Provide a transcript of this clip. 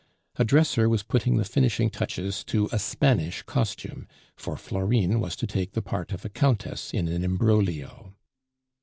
A dresser was putting the finishing touches to a Spanish costume; for Florine was to take the part of a countess in an imbroglio.